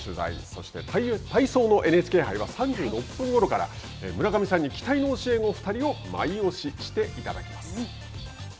そして、体操のＮＨＫ杯は３６分ごろから村上さんに期待の教え子２人を「マイオシ」していただきます。